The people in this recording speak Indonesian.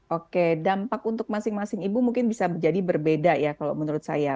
oke dampak untuk masing masing ibu mungkin bisa jadi berbeda ya kalau menurut saya